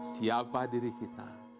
siapa diri kita